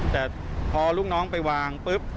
แต่พอลูกน้องไปวางปุ๊บ